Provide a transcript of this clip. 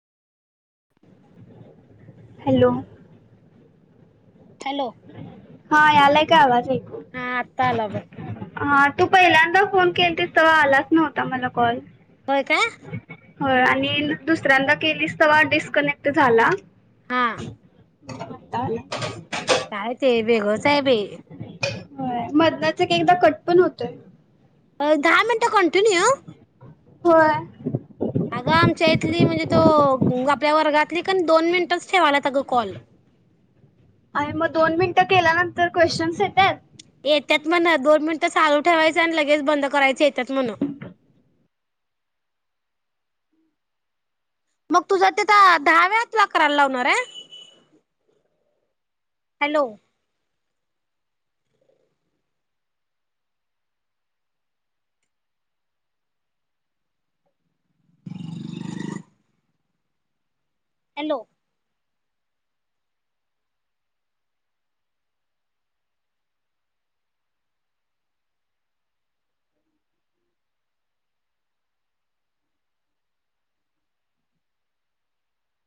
Hello. Hello. हा यालाय का आवाज ऐकू? हा आत्ता आला बघ हा. तू पहिल्यांदा फोन केलंतीस तेव्हा आलाच नव्हता मला कॉल. होय का? होय आणि दुसऱ्यांदा केलीस तवा डिस्कनेक्ट झाला. हा. ताल काय ते वेगळंच आहे बाई. मदनंच एक एकदा कट पण होतोय. अ दहा मिनटं कंटिन्यू. होय. अगं आमच्या इथली म्हणजे तो आपल्या वर्गातली दोन मिनिटंच ठेवाल्यात अगं कॉल. ते केल्यानंतर क्वेश्चनस् येत्यात. येत्यात म्हण दोन मिनिट चालू ठेवायचं आणि लगेच बंद करायचं येत्यात म्हण. मग तुझ्या तिथं दहा वेळा तुला कराला लावणार आहे? Hello hello.